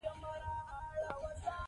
زه د انګلېسي لغتونه زده کوم.